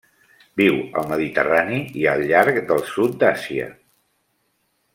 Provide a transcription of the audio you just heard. Viu al Mediterrani i al llarg del sud d'Àsia.